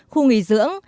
khu nghỉ dưỡng